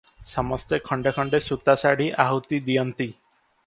ସମସ୍ତେ ଖଣ୍ଡେ ଖଣ୍ଡେ ସୂତା ଶାଢ଼ୀ ଆହୁତି ଦିଅନ୍ତି ।